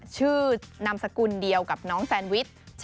ชื่อนามสกุลเดียวกับน้องแซนวิช